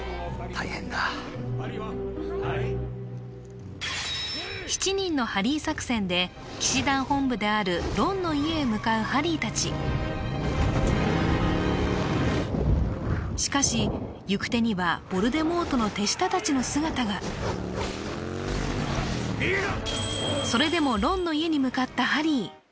大変だ「７人のハリー作戦」で騎士団本部であるロンの家へ向かうハリー達しかし行く手にはヴォルデモートの手下達の姿がそれでもロンの家に向かったハリー